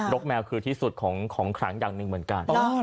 กแมวคือที่สุดของขลังอย่างหนึ่งเหมือนกัน